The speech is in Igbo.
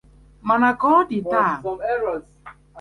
Mana ka ọ dị ta